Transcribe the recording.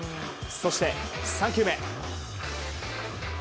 そして３球目。